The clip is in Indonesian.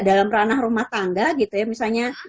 dalam ranah rumah tangga gitu ya misalnya